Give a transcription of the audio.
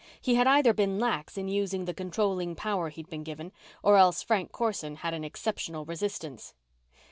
He had either been lax in using the controlling power he'd been given, or else Frank Corson had an exceptional resistance.